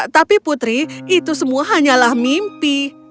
tapi putri itu semua hanyalah mimpi